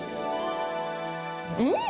うん！